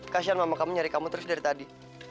kasian mama kamu nyari kamu terus dari tadi